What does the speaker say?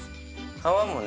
皮もね